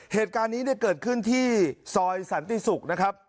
เหตุการณ์นี้เกิดขึ้นที่ซอยสันติศุกร์